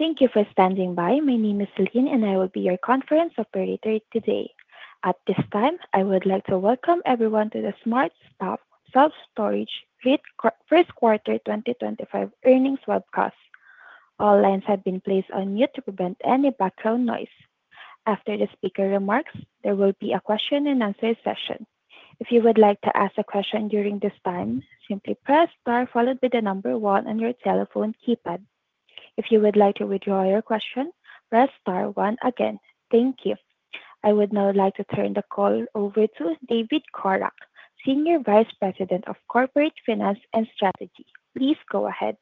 Thank you for standing by. My name is Celine, and I will be your conference operator today. At this time, I would like to welcome everyone to the SmartStop Self Storage REIT First Quarter 2025 Earnings Webcast. All lines have been placed on mute to prevent any background noise. After the speaker remarks, there will be a question-and-answer session. If you would like to ask a question during this time, simply press star followed by the number one on your telephone keypad. If you would like to withdraw your question, press star one again. Thank you. I would now like to turn the call over to David Corak, Senior Vice President of Corporate Finance and Strategy. Please go ahead.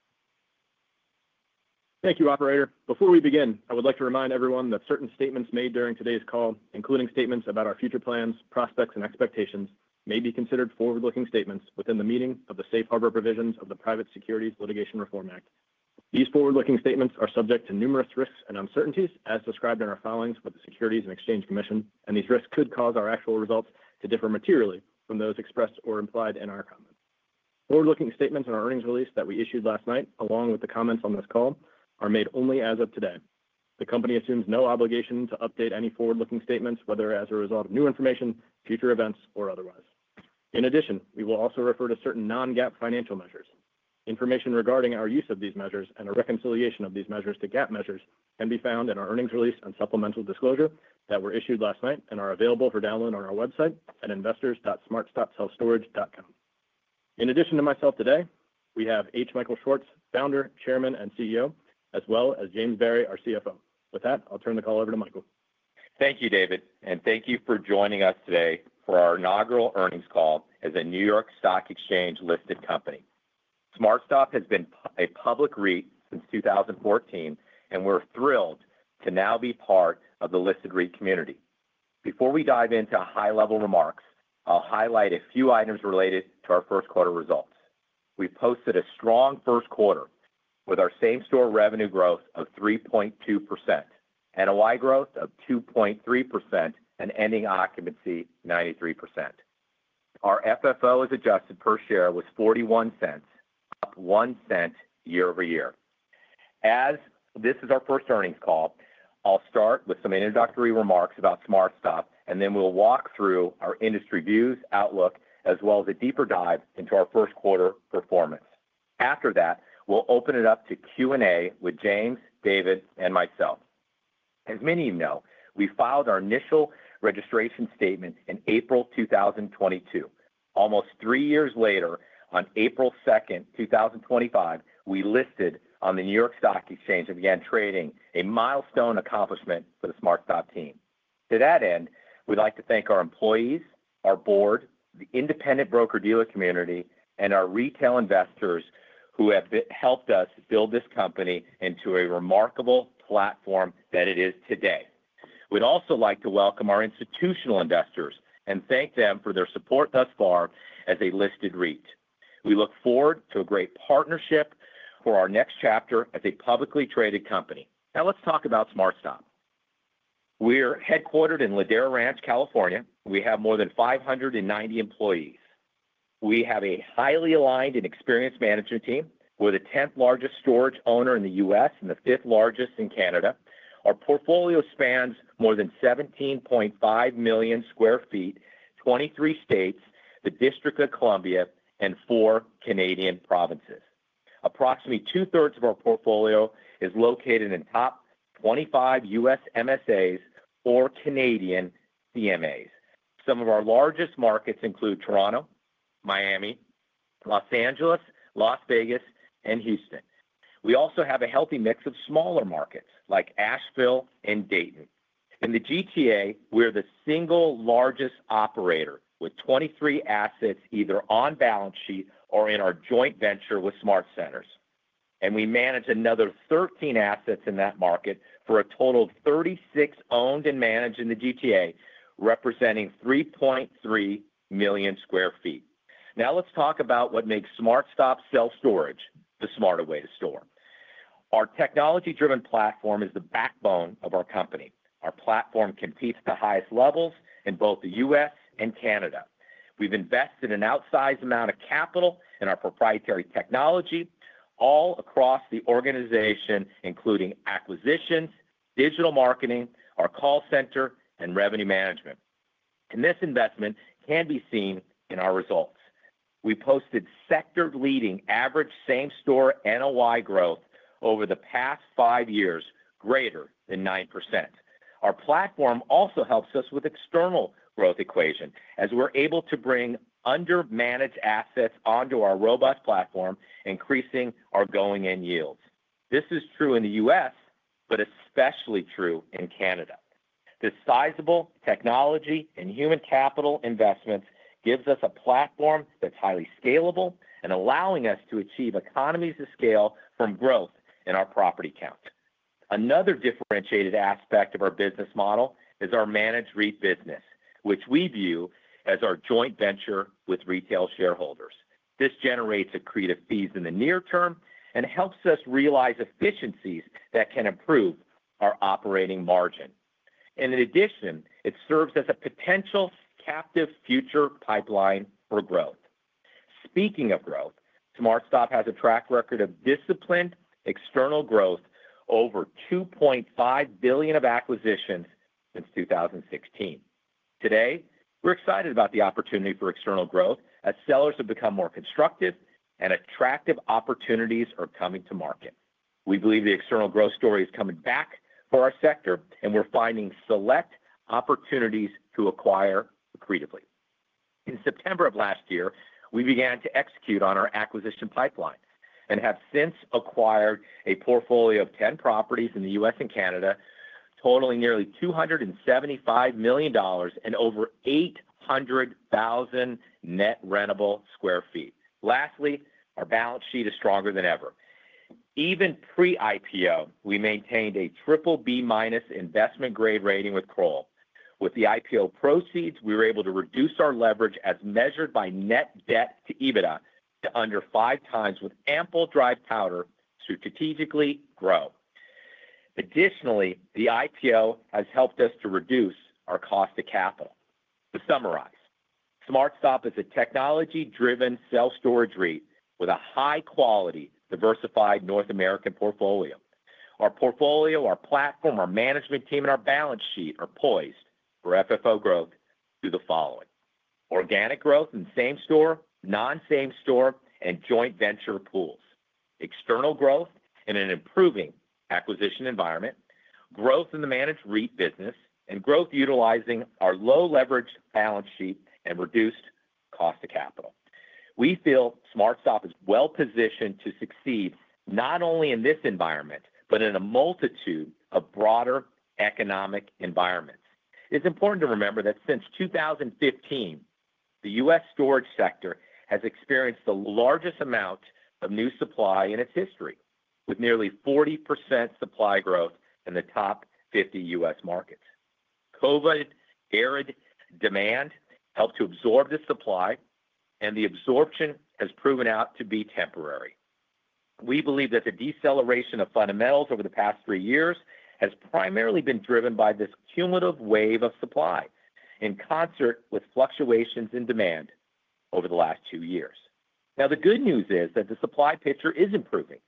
Thank you, Operator. Before we begin, I would like to remind everyone that certain statements made during today's call, including statements about our future plans, prospects, and expectations, may be considered forward-looking statements within the meaning of the safe harbor provisions of the Private Securities Litigation Reform Act. These forward-looking statements are subject to numerous risks and uncertainties, as described in our filings with the Securities and Exchange Commission, and these risks could cause our actual results to differ materially from those expressed or implied in our comments. Forward-looking statements in our earnings release that we issued last night, along with the comments on this call, are made only as of today. The company assumes no obligation to update any forward-looking statements, whether as a result of new information, future events, or otherwise. In addition, we will also refer to certain non-GAAP financial measures. Information regarding our use of these measures and a reconciliation of these measures to GAAP measures can be found in our earnings release and supplemental disclosure that were issued last night and are available for download on our website at investors.smartstopselfstorage.com. In addition to myself today, we have H Michael Schwartz, Founder, Chairman, and CEO, as well as James Barry, our CFO. With that, I'll turn the call over to Michael. Thank you, David, and thank you for joining us today for our inaugural earnings call as a New York Stock Exchange-listed company. SmartStop has been a public REIT since 2014, and we're thrilled to now be part of the listed REIT community. Before we dive into high-level remarks, I'll highlight a few items related to our first quarter results. We posted a strong first quarter with our same-store revenue growth of 3.2% and a year-over-year growth of 2.3% and ending occupancy 93%. Our FFO as adjusted per share was $0.41, up one cent year over year. As this is our first earnings call, I'll start with some introductory remarks about SmartStop, and then we'll walk through our industry views, outlook, as well as a deeper dive into our first quarter performance. After that, we'll open it up to Q&A with James, David, and myself. As many of you know, we filed our initial registration statement in April 2022. Almost three years later, on April 2, 2025, we listed on the New York Stock Exchange and began trading, a milestone accomplishment for the SmartStop team. To that end, we'd like to thank our employees, our board, the independent broker-dealer community, and our retail investors who have helped us build this company into a remarkable platform that it is today. We'd also like to welcome our institutional investors and thank them for their support thus far as a listed REIT. We look forward to a great partnership for our next chapter as a publicly traded company. Now, let's talk about SmartStop. We're headquartered in Ladera Ranch, California. We have more than 590 employees. We have a highly aligned and experienced management team. We're the 10th largest storage owner in the U.S. and the 5th largest in Canada. Our portfolio spans more than 17.5 million sq ft, 23 states, the District of Columbia, and four Canadian provinces. Approximately two-thirds of our portfolio is located in top 25 U.S. MSAs or Canadian CMAs. Some of our largest markets include Toronto, Miami, Los Angeles, Las Vegas, and Houston. We also have a healthy mix of smaller markets like Asheville and Dayton. In the GTA, we're the single largest operator with 23 assets either on balance sheet or in our joint venture with SmartCenters, and we manage another 13 assets in that market for a total of 36 owned and managed in the GTA, representing 3.3 million sq ft. Now, let's talk about what makes SmartStop Self Storage the smarter way to store. Our technology-driven platform is the backbone of our company. Our platform competes at the highest levels in both the U.S. and Canada. have invested an outsized amount of capital in our proprietary technology all across the organization, including acquisitions, digital marketing, our call center, and revenue management. This investment can be seen in our results. We posted sector-leading average same-store NOI growth over the past five years greater than 9%. Our platform also helps us with the external growth equation, as we are able to bring under-managed assets onto our robust platform, increasing our going-in yields. This is true in the U.S., but especially true in Canada. The sizable technology and human capital investments give us a platform that is highly scalable and allow us to achieve economies of scale from growth in our property count. Another differentiated aspect of our business model is our managed REIT business, which we view as our joint venture with retail shareholders. This generates accretive fees in the near term and helps us realize efficiencies that can improve our operating margin. In addition, it serves as a potential captive future pipeline for growth. Speaking of growth, SmartStop has a track record of disciplined external growth, over $2.5 billion of acquisitions since 2016. Today, we're excited about the opportunity for external growth as sellers have become more constructive and attractive opportunities are coming to market. We believe the external growth story is coming back for our sector, and we're finding select opportunities to acquire accretively. In September of last year, we began to execute on our acquisition pipeline and have since acquired a portfolio of 10 properties in the U.S. and Canada, totaling nearly $275 million and over 800,000 net rentable sq ft. Lastly, our balance sheet is stronger than ever. Even pre-IPO, we maintained a triple B-minus investment-grade rating with Kroll. With the IPO proceeds, we were able to reduce our leverage as measured by net debt to EBITDA to under five times, with ample dry powder to strategically grow. Additionally, the IPO has helped us to reduce our cost of capital. To summarize, SmartStop is a technology-driven self-storage REIT with a high-quality, diversified North American portfolio. Our portfolio, our platform, our management team, and our balance sheet are poised for FFO growth through the following: organic growth in same-store, non-same-store, and joint venture pools; external growth in an improving acquisition environment; growth in the managed REIT business; and growth utilizing our low-leverage balance sheet and reduced cost of capital. We feel SmartStop is well-positioned to succeed not only in this environment, but in a multitude of broader economic environments. It's important to remember that since 2015, the U.S. storage sector has experienced the largest amount of new supply in its history, with nearly 40% supply growth in the top 50 U.S. markets. COVID-errant demand helped to absorb the supply, and the absorption has proven out to be temporary. We believe that the deceleration of fundamentals over the past three years has primarily been driven by this cumulative wave of supply in concert with fluctuations in demand over the last two years. Now, the good news is that the supply picture is improving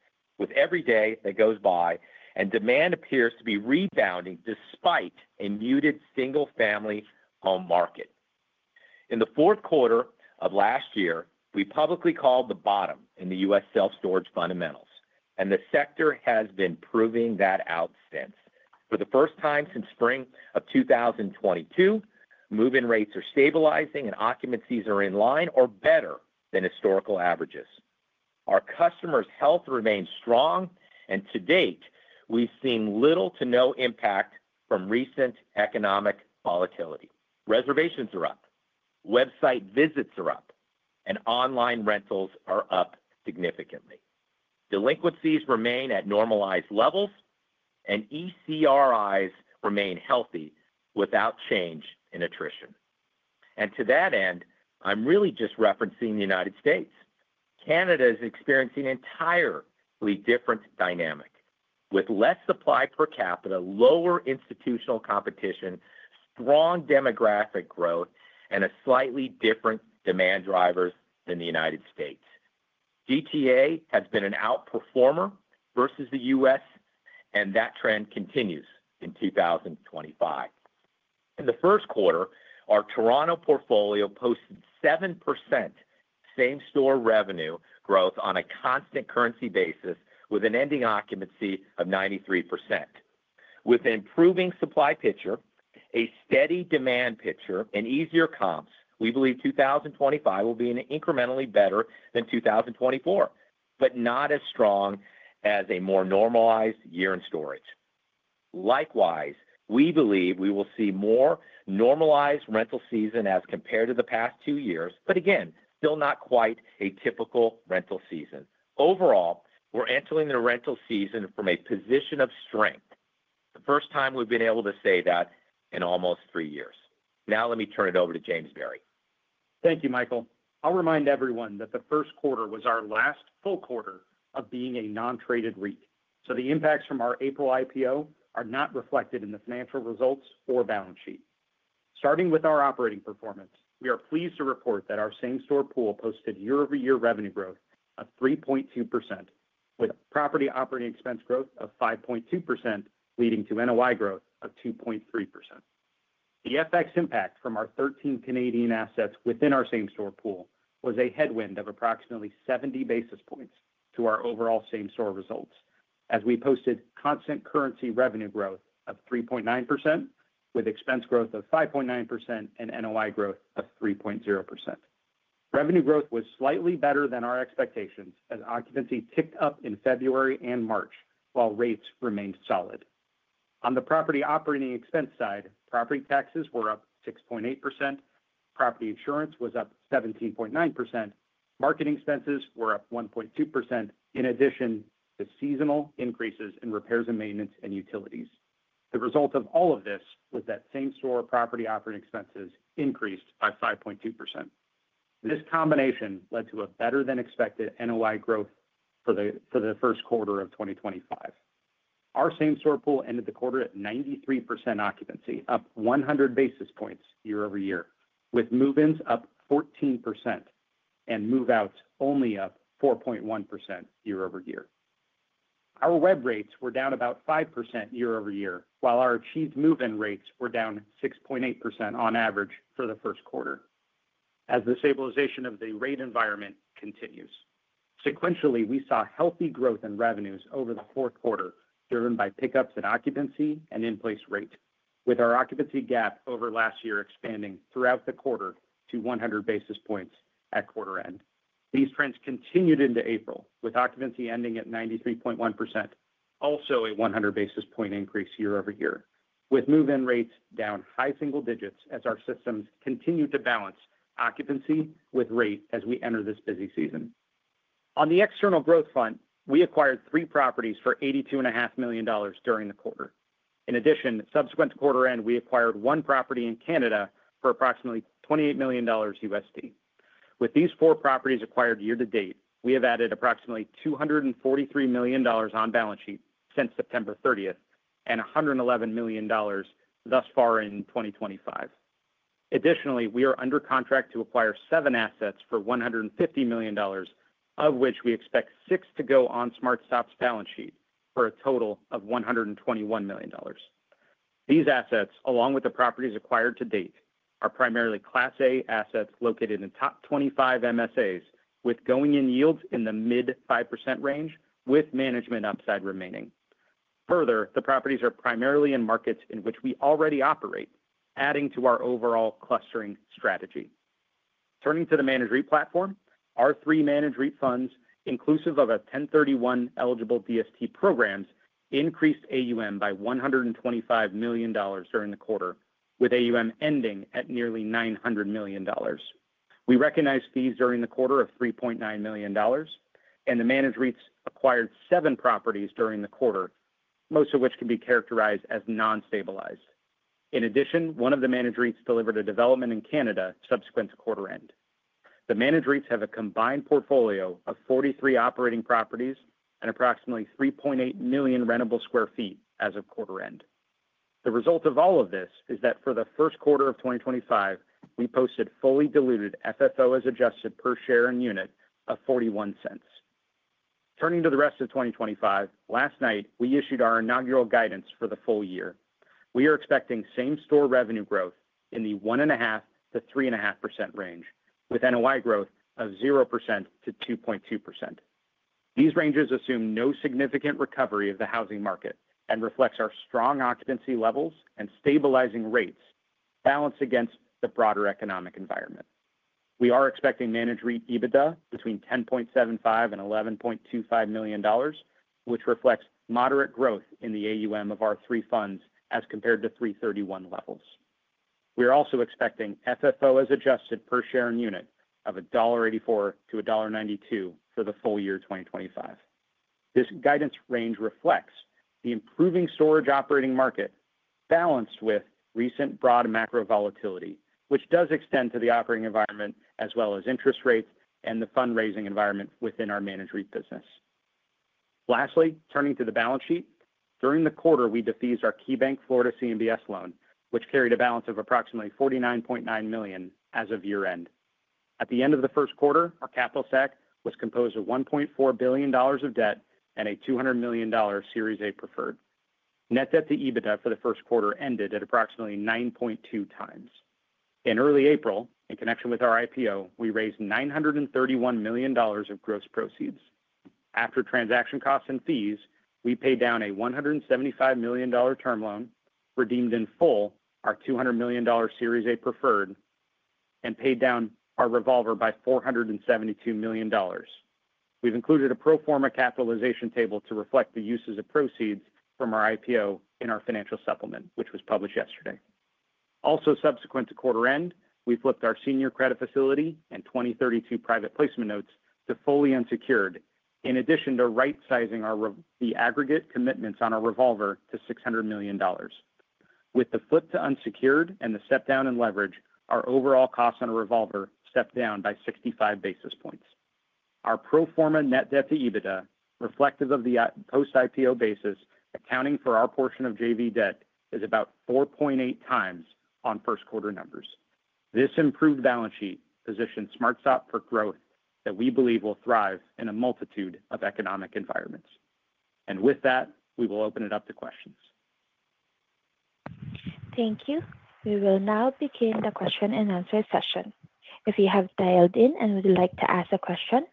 with every day that goes by, and demand appears to be rebounding despite a muted single-family home market. In the fourth quarter of last year, we publicly called the bottom in the U.S. self-storage fundamentals, and the sector has been proving that out since. For the first time since spring of 2022, moving rates are stabilizing and occupancies are in line or better than historical averages. Our customers' health remains strong, and to date, we've seen little to no impact from recent economic volatility. Reservations are up, website visits are up, and online rentals are up significantly. Delinquencies remain at normalized levels, and ECRIs remain healthy without change in attrition. To that end, I'm really just referencing the U.S. Canada is experiencing an entirely different dynamic, with less supply per capita, lower institutional competition, strong demographic growth, and slightly different demand drivers than the U.S. GTA has been an outperformer versus the U.S., and that trend continues in 2025. In the first quarter, our Toronto portfolio posted 7% same-store revenue growth on a constant currency basis, with an ending occupancy of 93%. With an improving supply picture, a steady demand picture, and easier comps, we believe 2025 will be incrementally better than 2024, but not as strong as a more normalized year in storage. Likewise, we believe we will see a more normalized rental season as compared to the past two years, but again, still not quite a typical rental season. Overall, we're entering the rental season from a position of strength. The first time we've been able to say that in almost three years. Now, let me turn it over to James Barry. Thank you, Michael. I'll remind everyone that the first quarter was our last full quarter of being a non-traded REIT. The impacts from our April IPO are not reflected in the financial results or balance sheet. Starting with our operating performance, we are pleased to report that our same-store pool posted year-over-year revenue growth of 3.2%, with property operating expense growth of 5.2%, leading to NOI growth of 2.3%. The FX impact from our 13 Canadian assets within our same-store pool was a headwind of approximately 70 basis points to our overall same-store results, as we posted constant currency revenue growth of 3.9%, with expense growth of 5.9% and NOI growth of 3.0%. Revenue growth was slightly better than our expectations as occupancy ticked up in February and March, while rates remained solid. On the property operating expense side, property taxes were up 6.8%, property insurance was up 17.9%, marketing expenses were up 1.2%, in addition to seasonal increases in repairs and maintenance and utilities. The result of all of this was that same-store property operating expenses increased by 5.2%. This combination led to a better-than-expected NOI growth for the first quarter of 2025. Our same-store pool ended the quarter at 93% occupancy, up 100 basis points year-over-year, with move-ins up 14% and move-outs only up 4.1% year-over-year. Our web rates were down about 5% year-over-year, while our achieved move-in rates were down 6.8% on average for the first quarter, as the stabilization of the REIT environment continues. Sequentially, we saw healthy growth in revenues over the fourth quarter, driven by pickups in occupancy and in-place rate, with our occupancy gap over last year expanding throughout the quarter to 100 basis points at quarter end. These trends continued into April, with occupancy ending at 93.1%, also a 100 basis point increase year-over-year, with move-in rates down high single digits as our systems continue to balance occupancy with rate as we enter this busy season. On the external growth front, we acquired three properties for $82.5 million during the quarter. In addition, subsequent to quarter end, we acquired one property in Canada for approximately $28 million USD. With these four properties acquired year-to-date, we have added approximately $243 million on balance sheet since September 30 and $111 million thus far in 2025. Additionally, we are under contract to acquire seven assets for $150 million, of which we expect six to go on SmartStop's balance sheet for a total of $121 million. These assets, along with the properties acquired to date, are primarily Class A assets located in top 25 MSAs, with going-in yields in the mid-5% range, with management upside remaining. Further, the properties are primarily in markets in which we already operate, adding to our overall clustering strategy. Turning to the managed REIT platform, our three managed REIT funds, inclusive of 1031 eligible DST programs, increased AUM by $125 million during the quarter, with AUM ending at nearly $900 million. We recognized fees during the quarter of $3.9 million, and the managed REITs acquired seven properties during the quarter, most of which can be characterized as non-stabilized. In addition, one of the managed REITs delivered a development in Canada subsequent to quarter end. The managed REITs have a combined portfolio of 43 operating properties and approximately 3.8 million rentable sq ft as of quarter end. The result of all of this is that for the first quarter of 2025, we posted fully diluted FFO as adjusted per share and unit of $0.41. Turning to the rest of 2025, last night, we issued our inaugural guidance for the full year. We are expecting same-store revenue growth in the 1.5%-3.5% range, with NOI growth of 0%-2.2%. These ranges assume no significant recovery of the housing market and reflect our strong occupancy levels and stabilizing rates balanced against the broader economic environment. We are expecting managed REIT EBITDA between $10.75-$11.25 million, which reflects moderate growth in the AUM of our three funds as compared to 2021 levels. We are also expecting FFO as adjusted per share and unit of $1.84-$1.92 for the full year 2025. This guidance range reflects the improving storage operating market balanced with recent broad macro volatility, which does extend to the operating environment as well as interest rates and the fundraising environment within our managed REIT business. Lastly, turning to the balance sheet, during the quarter, we defeased our KeyBank Florida CMBS loan, which carried a balance of approximately $49.9 million as of year-end. At the end of the first quarter, our capital stack was composed of $1.4 billion of debt and a $200 million Series A preferred. Net debt to EBITDA for the first quarter ended at approximately 9.2 times. In early April, in connection with our IPO, we raised $931 million of gross proceeds. After transaction costs and fees, we paid down a $175 million term loan, redeemed in full our $200 million Series A preferred, and paid down our revolver by $472 million. We've included a pro forma capitalization table to reflect the uses of proceeds from our IPO in our financial supplement, which was published yesterday. Also, subsequent to quarter end, we flipped our senior credit facility and 2032 private placement notes to fully unsecured, in addition to rightsizing the aggregate commitments on our revolver to $600 million. With the flip to unsecured and the step down in leverage, our overall costs on a revolver stepped down by 65 basis points. Our pro forma net debt to EBITDA, reflective of the post-IPO basis, accounting for our portion of JV debt, is about 4.8 times on first quarter numbers. This improved balance sheet positions SmartStop for growth that we believe will thrive in a multitude of economic environments. With that, we will open it up to questions. Thank you. We will now begin the question and answer session. If you have dialed in and would like to ask a question,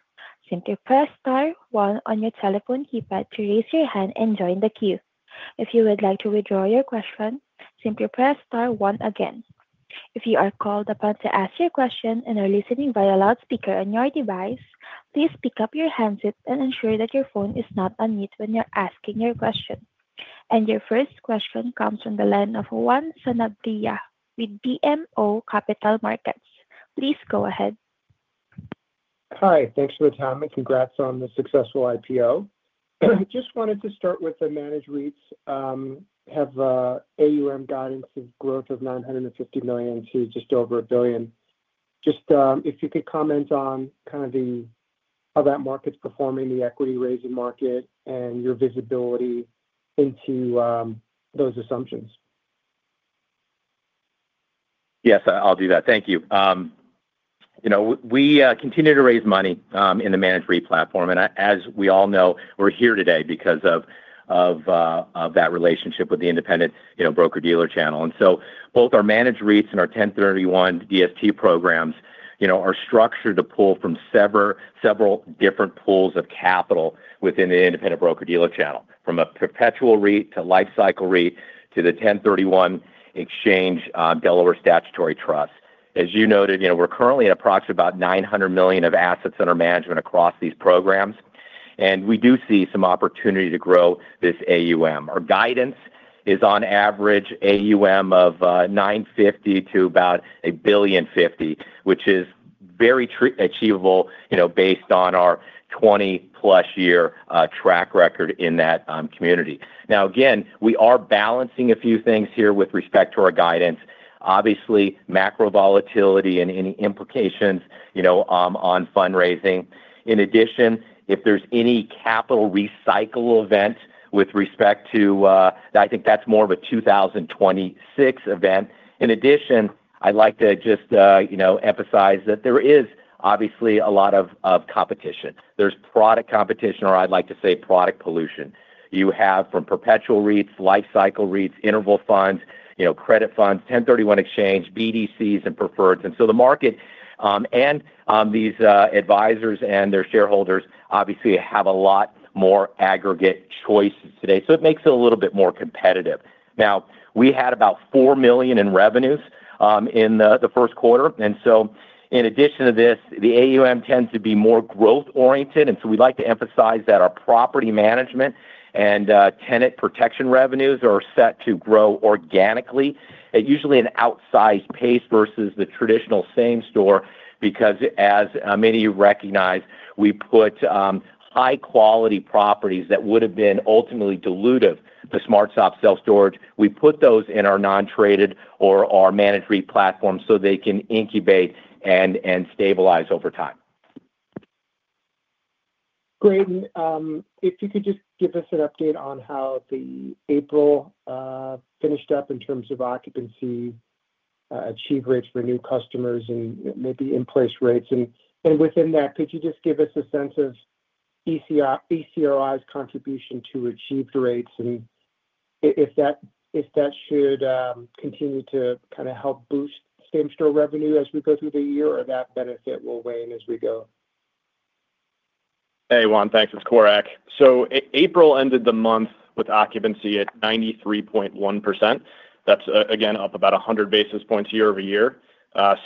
simply press star one on your telephone keypad to raise your hand and join the queue. If you would like to withdraw your question, simply press star one again. If you are called upon to ask your question and are listening via loudspeaker on your device, please pick up your handset and ensure that your phone is not on mute when you're asking your question. Your first question comes from the line of Juan Sanabria with BMO Capital Markets. Please go ahead. Hi. Thanks for the time. Congrats on the successful IPO. Just wanted to start with the managed REITs have AUM guidance of growth of $950 million to just over $1 billion. Just if you could comment on kind of how that market's performing, the equity raising market, and your visibility into those assumptions. Yes, I'll do that. Thank you. We continue to raise money in the managed REIT platform. As we all know, we're here today because of that relationship with the independent broker-dealer channel. Both our managed REITs and our 1031 DST programs are structured to pull from several different pools of capital within the independent broker-dealer channel, from a perpetual REIT to lifecycle REIT to the 1031 exchange Delaware Statutory Trust. As you noted, we're currently at approximately about $900 million of assets under management across these programs, and we do see some opportunity to grow this AUM. Our guidance is on average AUM of $950 million to about $1.50 billion, which is very achievable based on our 20-plus year track record in that community. Now, again, we are balancing a few things here with respect to our guidance. Obviously, macro volatility and any implications on fundraising. In addition, if there's any capital recycle event with respect to, I think that's more of a 2026 event. In addition, I'd like to just emphasize that there is obviously a lot of competition. There's product competition, or I'd like to say product pollution. You have from perpetual REITs, lifecycle REITs, interval funds, credit funds, 1031 exchange, BDCs, and preferreds. The market and these advisors and their shareholders obviously have a lot more aggregate choices today, so it makes it a little bit more competitive. Now, we had about $4 million in revenues in the first quarter. In addition to this, the AUM tends to be more growth-oriented. We'd like to emphasize that our property management and tenant protection revenues are set to grow organically, usually at an outsized pace versus the traditional same-store, because as many of you recognize, we put high-quality properties that would have been ultimately dilutive to SmartStop Self Storage REIT. We put those in our non-traded or our managed REIT platform so they can incubate and stabilize over time. Great. If you could just give us an update on how April finished up in terms of occupancy, achieved rates for new customers, and maybe in-place rates. Within that, could you just give us a sense of ECRI's contribution to achieved rates? If that should continue to kind of help boost same-store revenue as we go through the year, or that benefit will wane as we go? Hey, Juan. Thanks. It's Corak. April ended the month with occupancy at 93.1%. That's, again, up about 100 basis points year-over-year.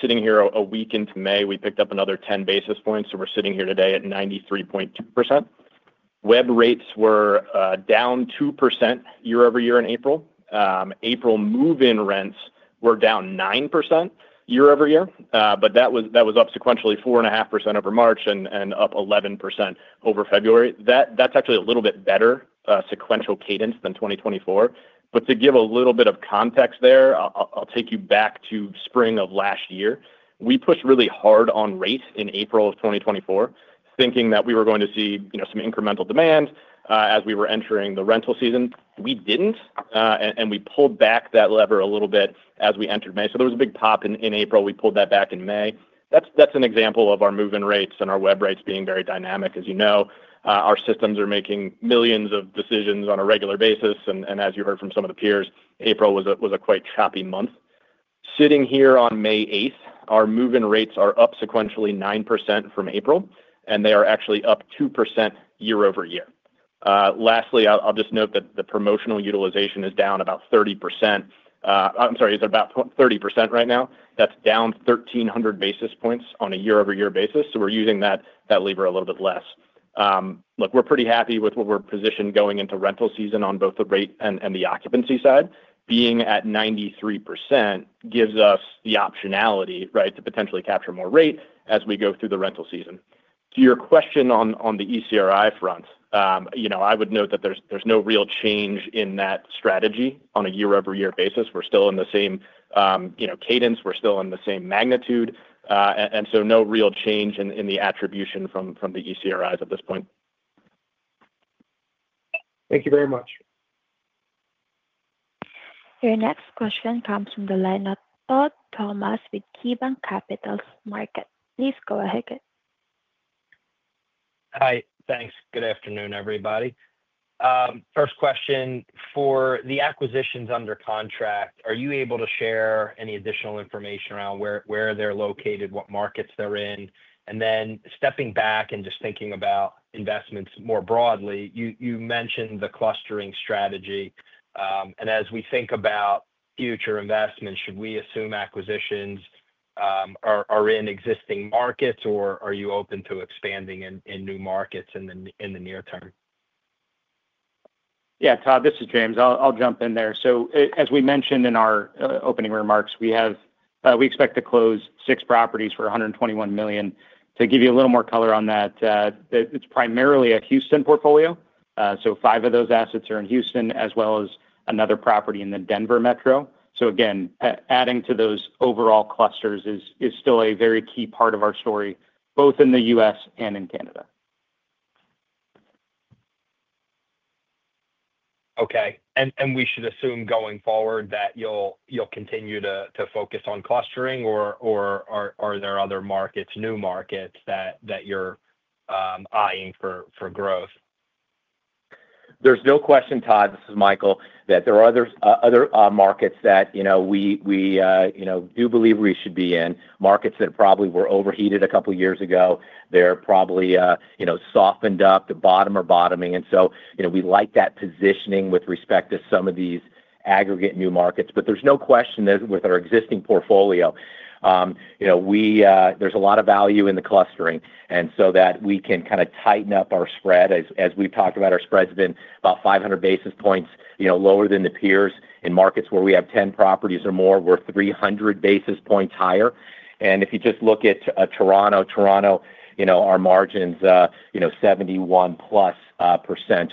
Sitting here a week into May, we picked up another 10 basis points, so we're sitting here today at 93.2%. Web rates were down 2% year-over-year in April. April move-in rents were down 9% year-over-year, but that was up sequentially 4.5% over March and up 11% over February. That's actually a little bit better sequential cadence than 2024. To give a little bit of context there, I'll take you back to spring of last year. We pushed really hard on rates in April of 2024, thinking that we were going to see some incremental demand as we were entering the rental season. We did not, and we pulled back that lever a little bit as we entered May. There was a big pop in April. We pulled that back in May. That's an example of our move-in rates and our web rates being very dynamic. As you know, our systems are making millions of decisions on a regular basis. As you heard from some of the peers, April was a quite choppy month. Sitting here on May 8th, our move-in rates are up sequentially 9% from April, and they are actually up 2% year-over-year. Lastly, I'll just note that the promotional utilization is down about 30%. I'm sorry, is it about 30% right now? That's down 1,300 basis points on a year-over-year basis. We are using that lever a little bit less. Look, we're pretty happy with where we're positioned going into rental season on both the rate and the occupancy side. Being at 93% gives us the optionality, right, to potentially capture more rate as we go through the rental season. To your question on the ECRI front, I would note that there's no real change in that strategy on a year-over-year basis. We're still in the same cadence. We're still in the same magnitude. No real change in the attribution from the ECRIs at this point. Thank you very much. Your next question comes from the line of Todd Thomas with KeyBanc Capital Markets. Please go ahead. Hi. Thanks. Good afternoon, everybody. First question, for the acquisitions under contract, are you able to share any additional information around where they're located, what markets they're in? Stepping back and just thinking about investments more broadly, you mentioned the clustering strategy. As we think about future investments, should we assume acquisitions are in existing markets, or are you open to expanding in new markets in the near term? Yeah, Todd, this is James. I'll jump in there. As we mentioned in our opening remarks, we expect to close six properties for $121 million. To give you a little more color on that, it's primarily a Houston portfolio. Five of those assets are in Houston, as well as another property in the Denver metro. Again, adding to those overall clusters is still a very key part of our story, both in the U.S. and in Canada. Okay. We should assume going forward that you'll continue to focus on clustering, or are there other markets, new markets, that you're eyeing for growth? There's no question, Todd, this is Michael, that there are other markets that we do believe we should be in, markets that probably were overheated a couple of years ago. They're probably softened up, the bottom are bottoming. We like that positioning with respect to some of these aggregate new markets. There's no question that with our existing portfolio, there's a lot of value in the clustering, so that we can kind of tighten up our spread. As we've talked about, our spread's been about 500 basis points lower than the peers. In markets where we have 10 properties or more, we're 300 basis points higher. If you just look at Toronto, Toronto, our margin's 71+%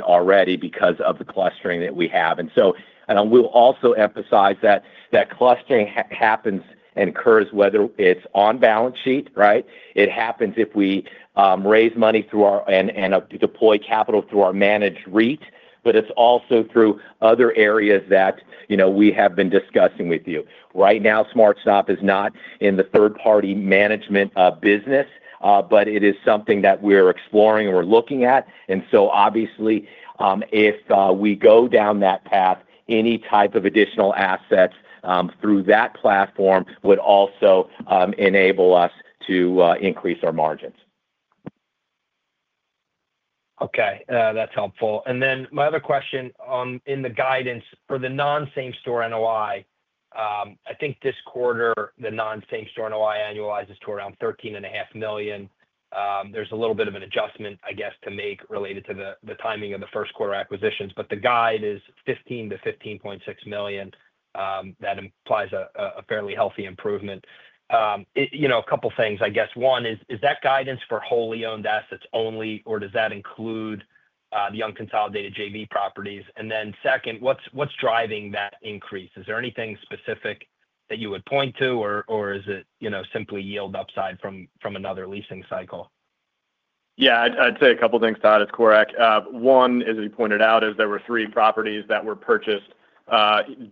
already because of the clustering that we have. I will also emphasize that clustering happens and occurs whether it's on balance sheet, right? It happens if we raise money through our and deploy capital through our managed REIT, but it's also through other areas that we have been discussing with you. Right now, SmartStop is not in the third-party management business, but it is something that we're exploring and we're looking at. Obviously, if we go down that path, any type of additional assets through that platform would also enable us to increase our margins. Okay. That's helpful. My other question in the guidance for the non-same-store NOI, I think this quarter, the non-same-store NOI annualizes to around $13.5 million. There's a little bit of an adjustment, I guess, to make related to the timing of the first quarter acquisitions. But the guide is $15-$15.6 million. That implies a fairly healthy improvement. A couple of things, I guess. One, is that guidance for wholly owned assets only, or does that include the unconsolidated JV properties? And then second, what's driving that increase? Is there anything specific that you would point to, or is it simply yield upside from another leasing cycle? Yeah, I'd say a couple of things, Todd, as Corak. One, as we pointed out, is there were three properties that were purchased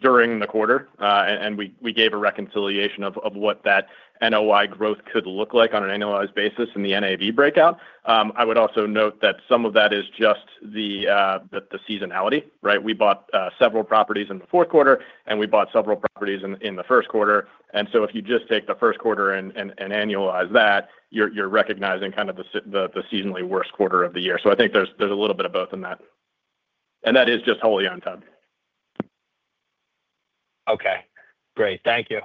during the quarter, and we gave a reconciliation of what that NOI growth could look like on an annualized basis in the NAV breakout. I would also note that some of that is just the seasonality, right? We bought several properties in the fourth quarter, and we bought several properties in the first quarter. If you just take the first quarter and annualize that, you're recognizing kind of the seasonally worst quarter of the year. I think there's a little bit of both in that. That is just wholly owned, Todd? Okay. Great. Thank you.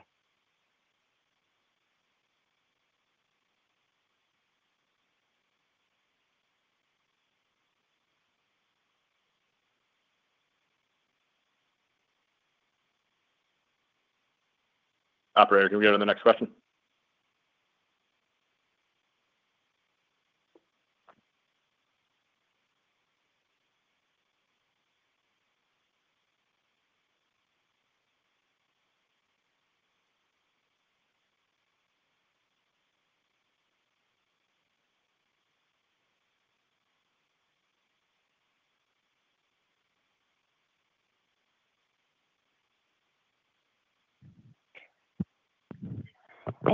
Operator, can we go to the next question?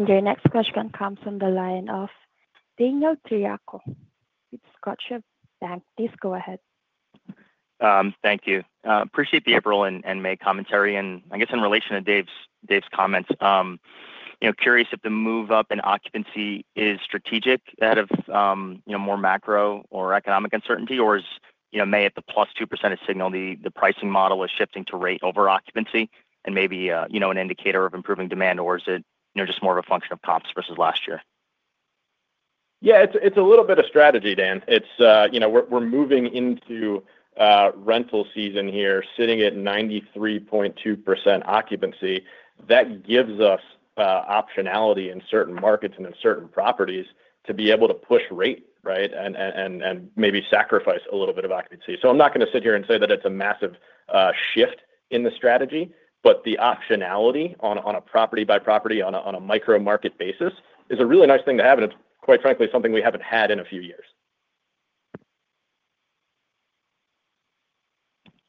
Your next question comes from the line of Daniel Tricarico with Scotiabank. Please go ahead. Thank you. Appreciate the April and May commentary. I guess in relation to Dave's comments, curious if the move-up in occupancy is strategic out of more macro or economic uncertainty, or is May at the plus 2% a signal the pricing model is shifting to rate over occupancy and maybe an indicator of improving demand, or is it just more of a function of comps versus last year? Yeah, it's a little bit of strategy, Dan. We're moving into rental season here, sitting at 93.2% occupancy. That gives us optionality in certain markets and in certain properties to be able to push rate, right, and maybe sacrifice a little bit of occupancy. I'm not going to sit here and say that it's a massive shift in the strategy, but the optionality on a property-by-property on a micro market basis is a really nice thing to have, and it's, quite frankly, something we haven't had in a few years.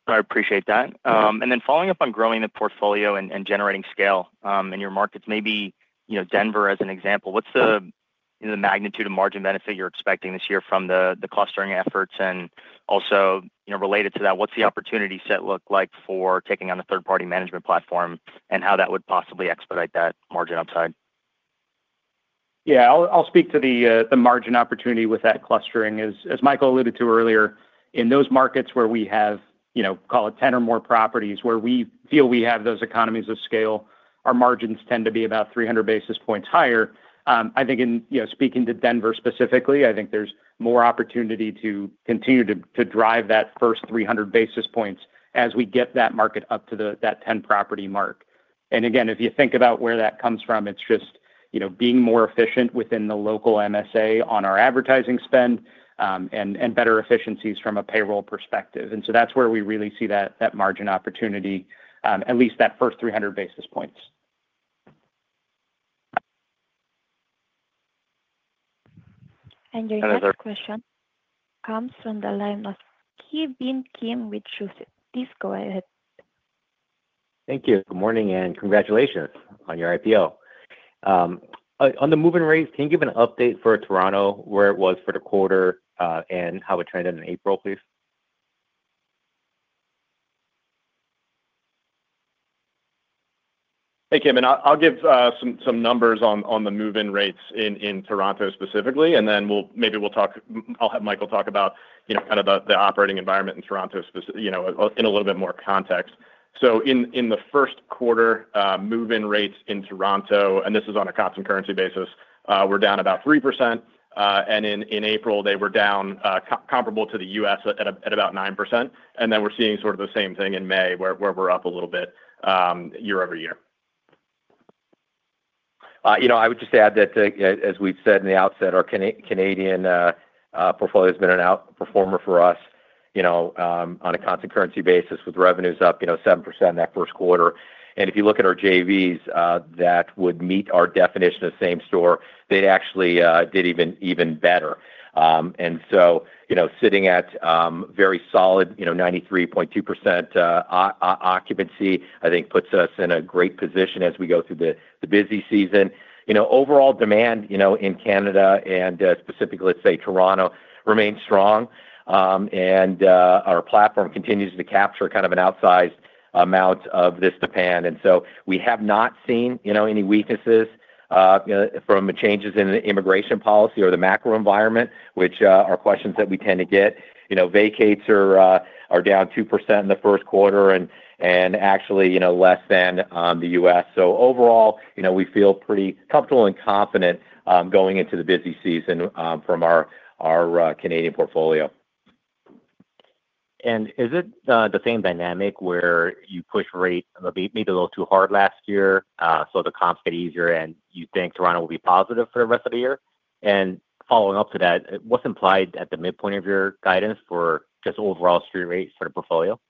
I appreciate that. Following up on growing the portfolio and generating scale in your markets, maybe Denver as an example, what's the magnitude of margin benefit you're expecting this year from the clustering efforts? Also related to that, what's the opportunity set look like for taking on a third-party management platform and how that would possibly expedite that margin upside? Yeah, I'll speak to the margin opportunity with that clustering. As Michael alluded to earlier, in those markets where we have, call it, 10 or more properties where we feel we have those economies of scale, our margins tend to be about 300 basis points higher. I think in speaking to Denver specifically, I think there's more opportunity to continue to drive that first 300 basis points as we get that market up to that 10-property mark. If you think about where that comes from, it's just being more efficient within the local MSA on our advertising spend and better efficiencies from a payroll perspective. That is where we really see that margin opportunity, at least that first 300 basis points. Your next question comes from the line of Ki Bin Kim with Truist. Please go ahead. Thank you. Good morning and congratulations on your IPO. On the move-in rates, can you give an update for Toronto where it was for the quarter and how it trended in April, please? Hey, Kim. I'll give some numbers on the move-in rates in Toronto specifically, and then maybe we'll have Michael talk about kind of the operating environment in Toronto in a little bit more context. In the first quarter, move-in rates in Toronto, and this is on a comps and currency basis, were down about 3%. In April, they were down comparable to the U.S. at about 9%. We're seeing sort of the same thing in May, where we're up a little bit year-over-year. I would just add that, as we said in the outset, our Canadian portfolio has been an outperformer for us on a comps and currency basis with revenues up 7% in that first quarter. If you look at our JVs that would meet our definition of same-store, they actually did even better. Sitting at a very solid 93.2% occupancy, I think puts us in a great position as we go through the busy season. Overall demand in Canada and specifically, let's say, Toronto remains strong, and our platform continues to capture kind of an outsized amount of this demand. We have not seen any weaknesses from the changes in the immigration policy or the macro environment, which are questions that we tend to get. Vacates are down 2% in the first quarter and actually less than the U.S. Overall, we feel pretty comfortable and confident going into the busy season from our Canadian portfolio. Is it the same dynamic where you pushed rate maybe a little too hard last year so the comps get easier and you think Toronto will be positive for the rest of the year? Following up to that, what's implied at the midpoint of your guidance for just overall street rates for the portfolio?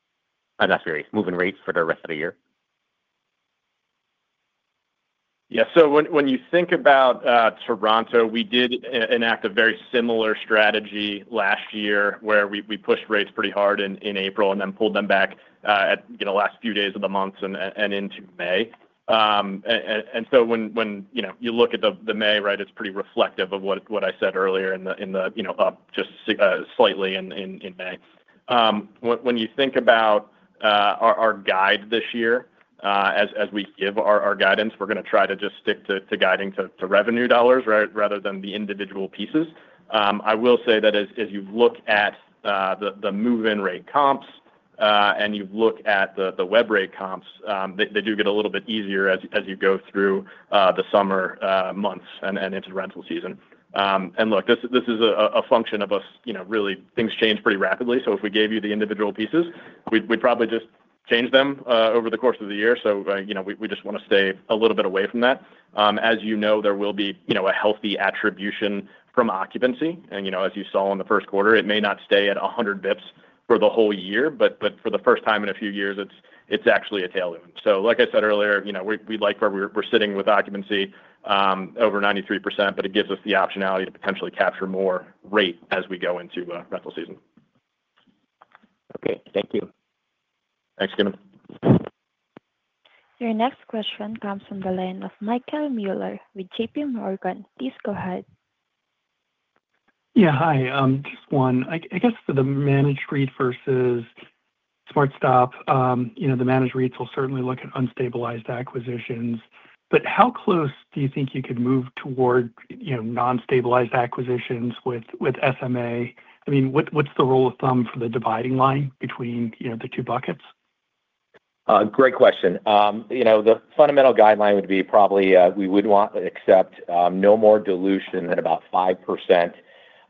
Not street rates, moving rates for the rest of the year. Yeah. When you think about Toronto, we did enact a very similar strategy last year where we pushed rates pretty hard in April and then pulled them back in the last few days of the month and into May. When you look at May, right, it is pretty reflective of what I said earlier in the up just slightly in May. When you think about our guide this year, as we give our guidance, we are going to try to just stick to guiding to revenue dollars, right, rather than the individual pieces. I will say that as you look at the move-in rate comps and you look at the web rate comps, they do get a little bit easier as you go through the summer months and into the rental season. Look, this is a function of us really, things change pretty rapidly. If we gave you the individual pieces, we'd probably just change them over the course of the year. We just want to stay a little bit away from that. As you know, there will be a healthy attribution from occupancy. As you saw in the first quarter, it may not stay at 100 basis points for the whole year, but for the first time in a few years, it's actually a tailwind. Like I said earlier, we like where we're sitting with occupancy over 93%, but it gives us the optionality to potentially capture more rate as we go into rental season. Okay. Thank you. Thanks, Kim. Your next question comes from the line of Michael Mueller with JPMorgan. Please go ahead. Yeah, hi. Just one. I guess for the managed REIT versus SmartStop, the managed REITs will certainly look at unstabilized acquisitions. How close do you think you could move toward non-stabilized acquisitions with SMA? I mean, what's the rule of thumb for the dividing line between the two buckets? Great question. The fundamental guideline would be probably we would want to accept no more dilution than about 5%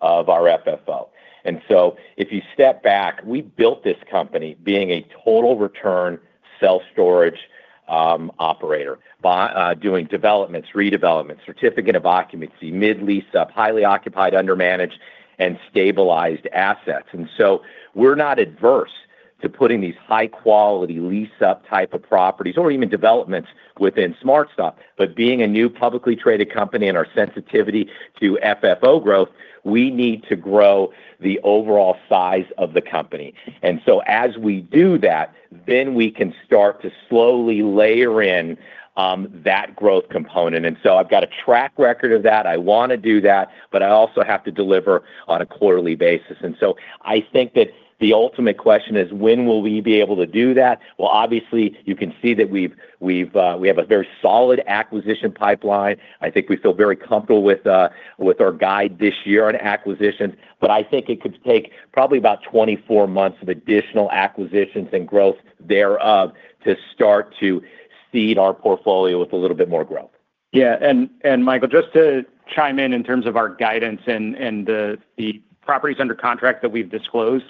of our FFO. If you step back, we built this company being a total return self-storage operator by doing developments, redevelopments, certificate of occupancy, mid-lease-up, highly occupied, under-managed, and stabilized assets. We are not adverse to putting these high-quality lease-up type of properties or even developments within SmartStop. Being a new publicly traded company and our sensitivity to FFO growth, we need to grow the overall size of the company. As we do that, we can start to slowly layer in that growth component. I have got a track record of that. I want to do that, but I also have to deliver on a quarterly basis. I think that the ultimate question is, when will we be able to do that? Obviously, you can see that we have a very solid acquisition pipeline. I think we feel very comfortable with our guide this year on acquisitions, but I think it could take probably about 24 months of additional acquisitions and growth thereof to start to seed our portfolio with a little bit more growth. Yeah. Michael, just to chime in in terms of our guidance and the properties under contract that we've disclosed,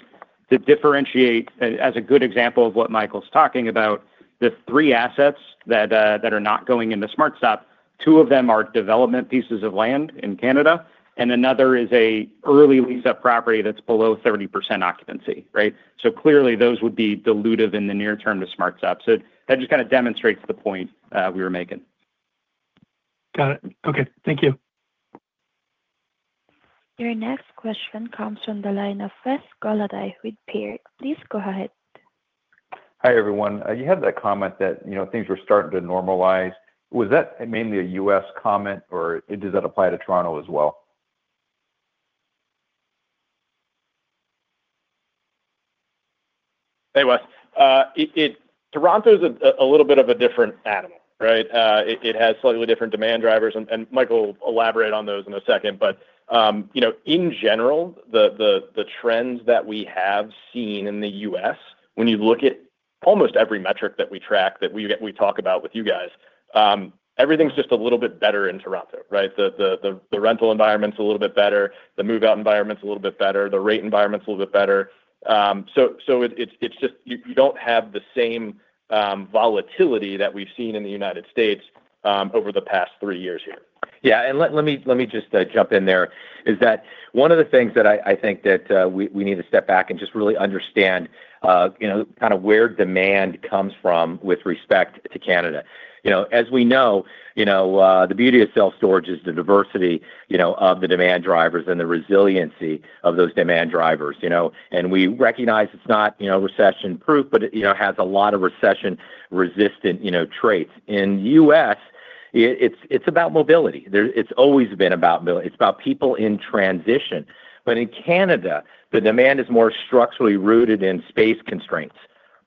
to differentiate, as a good example of what Michael's talking about, the three assets that are not going into SmartStop, two of them are development pieces of land in Canada, and another is an early lease-up property that's below 30% occupancy, right? Clearly, those would be dilutive in the near term to SmartStop. That just kind of demonstrates the point we were making. Got it. Okay. Thank you. Your next question comes from the line of Wes Golladay with Baird. Please go ahead. Hi everyone. You had that comment that things were starting to normalize. Was that mainly a U.S. comment, or does that apply to Toronto as well? It was. Toronto is a little bit of a different animal, right? It has slightly different demand drivers, and Michael will elaborate on those in a second. In general, the trends that we have seen in the U.S., when you look at almost every metric that we track that we talk about with you guys, everything's just a little bit better in Toronto, right? The rental environment's a little bit better, the move-out environment's a little bit better, the rate environment's a little bit better. You do not have the same volatility that we've seen in the United States over the past three years here. Yeah. Let me just jump in there. One of the things that I think we need to step back and just really understand is kind of where demand comes from with respect to Canada. As we know, the beauty of self-storage is the diversity of the demand drivers and the resiliency of those demand drivers. We recognize it's not recession-proof, but it has a lot of recession-resistant traits. In the U.S., it's about mobility. It's always been about mobility. It's about people in transition. In Canada, the demand is more structurally rooted in space constraints,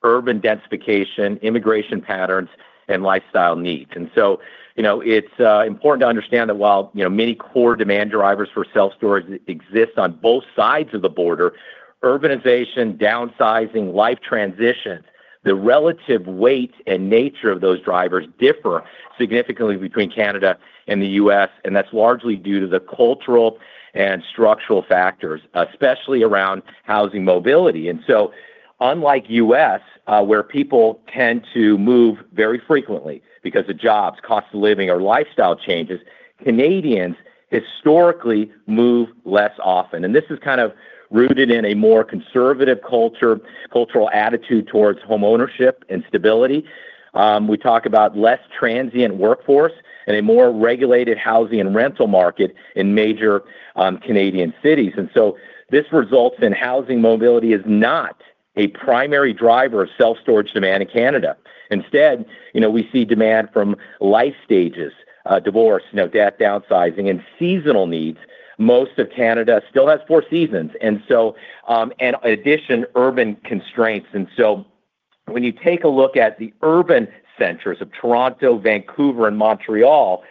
urban densification, immigration patterns, and lifestyle needs. It is important to understand that while many core demand drivers for self-storage exist on both sides of the border—urbanization, downsizing, life transitions—the relative weight and nature of those drivers differ significantly between Canada and the U.S., and that is largely due to cultural and structural factors, especially around housing mobility. Unlike the U.S., where people tend to move very frequently because of jobs, cost of living, or lifestyle changes, Canadians historically move less often. This is kind of rooted in a more conservative cultural attitude towards homeownership and stability. We talk about a less transient workforce and a more regulated housing and rental market in major Canadian cities. This results in housing mobility not being a primary driver of self-storage demand in Canada. Instead, we see demand from life stages, divorce, debt, downsizing, and seasonal needs. Most of Canada still has four seasons. In addition, urban constraints. When you take a look at the urban centers of Toronto, Vancouver, and Montreal,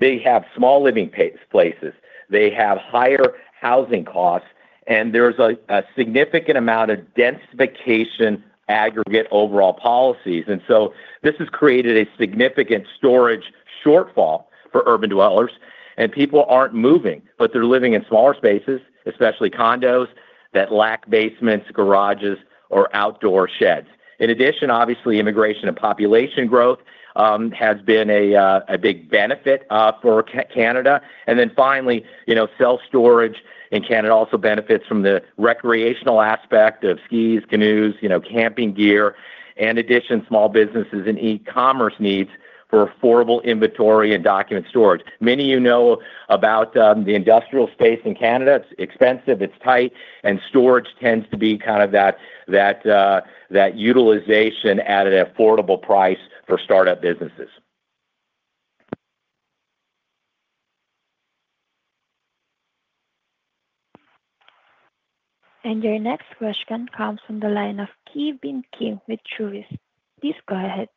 they have small living places. They have higher housing costs, and there's a significant amount of densification aggregate overall policies. This has created a significant storage shortfall for urban dwellers, and people aren't moving, but they're living in smaller spaces, especially condos that lack basements, garages, or outdoor sheds. In addition, obviously, immigration and population growth has been a big benefit for Canada. Finally, self-storage in Canada also benefits from the recreational aspect of skis, canoes, camping gear, and in addition, small businesses and e-commerce needs for affordable inventory and document storage. Many of you know about the industrial space in Canada. It's expensive, it's tight, and storage tends to be kind of that utilization at an affordable price for startup businesses. Your next question comes from the line of Keibun Kim with Truist. Please go ahead.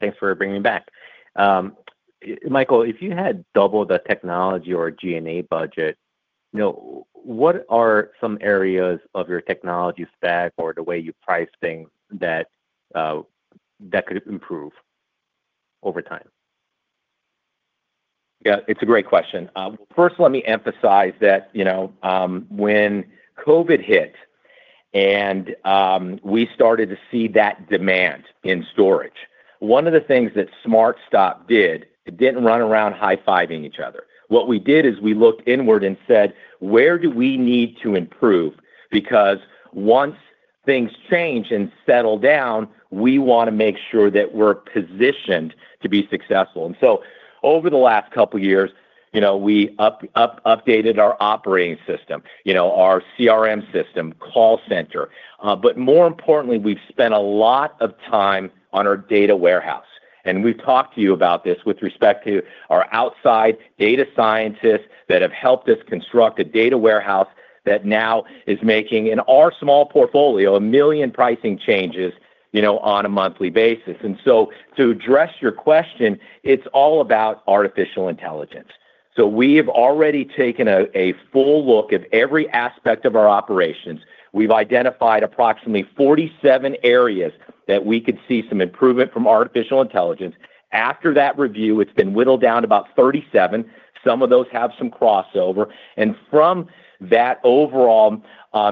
Thanks for bringing me back. Michael, if you had double the technology or G&A budget, what are some areas of your technology stack or the way you price things that could improve over time? Yeah. It's a great question. First, let me emphasize that when COVID hit and we started to see that demand in storage, one of the things that SmartStop did, it didn't run around high-fiving each other. What we did is we looked inward and said, "Where do we need to improve?" Because once things change and settle down, we want to make sure that we're positioned to be successful. Over the last couple of years, we updated our operating system, our CRM system, call center. More importantly, we've spent a lot of time on our data warehouse. We have talked to you about this with respect to our outside data scientists that have helped us construct a data warehouse that now is making, in our small portfolio, a million pricing changes on a monthly basis. To address your question, it is all about artificial intelligence. We have already taken a full look at every aspect of our operations. We have identified approximately 47 areas that we could see some improvement from artificial intelligence. After that review, it has been whittled down to about 37. Some of those have some crossover. From that overall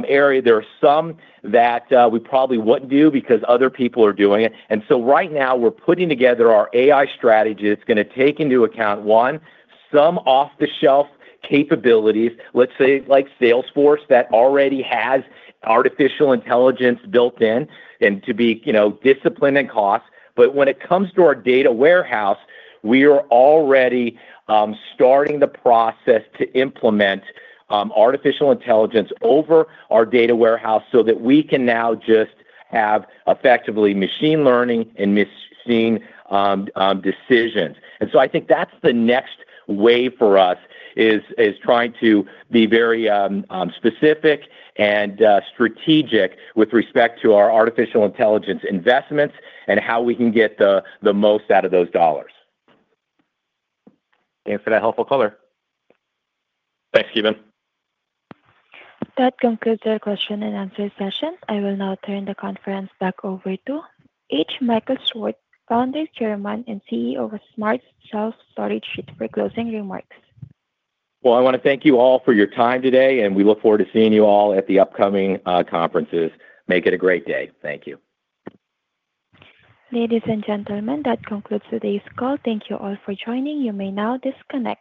area, there are some that we probably would not do because other people are doing it. Right now, we are putting together our AI strategy. It is going to take into account, one, some off-the-shelf capabilities, let us say like Salesforce that already has artificial intelligence built in, and to be disciplined in cost. When it comes to our data warehouse, we are already starting the process to implement artificial intelligence over our data warehouse so that we can now just have effectively machine learning and machine decisions. I think that's the next wave for us is trying to be very specific and strategic with respect to our artificial intelligence investments and how we can get the most out of those dollars. Thanks for that helpful color. Thanks, KeyBean. That concludes our question and answer session. I will now turn the conference back over to H Michael Schwartz, Founder, Chairman, and CEO of SmartStop Self Storage REIT for closing remarks. I want to thank you all for your time today, and we look forward to seeing you all at the upcoming conferences. Make it a great day. Thank you. Ladies and gentlemen, that concludes today's call. Thank you all for joining. You may now disconnect.